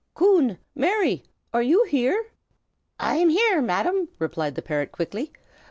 Coon! Mary! are you here?" "I am here, Madam!" replied the parrot, quickly.